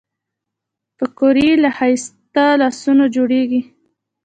پکورې له ښایسته لاسونو جوړېږي